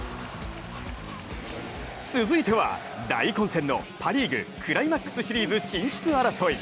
続いては、大混戦のパ・リーグ、クライマックスシリーズ進出争い。